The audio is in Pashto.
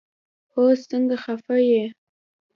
هوس سنګه خفه يي